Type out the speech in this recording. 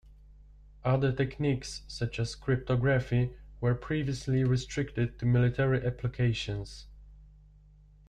Other techniques such as cryptography were previously restricted to military applications.